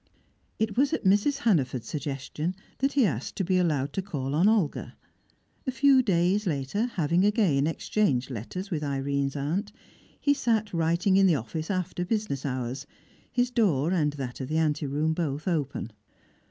It was at Mrs. Hannaford's suggestion that he asked to be allowed to call on Olga. A few days later, having again exchanged letters with Irene's aunt, he sat writing in the office after business hours, his door and that of the anteroom both open.